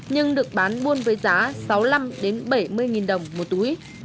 nhưng được bán buôn với giá sáu mươi năm bảy mươi đồng một túi